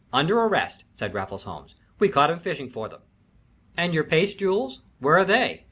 "Under arrest," said Raffles Holmes. "We caught him fishing for them." "And your paste jewels, where are they?"